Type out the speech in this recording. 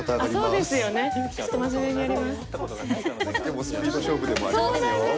でもスピード勝負でもありますよ。